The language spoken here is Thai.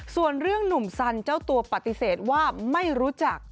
ส่วนเรื่องหนุ่มสันเจ้าตัวปฏิเสธว่าไม่รู้จัก